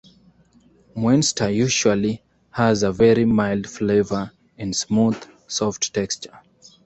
Muenster usually has a very mild flavor and smooth, soft texture.